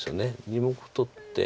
２目取って。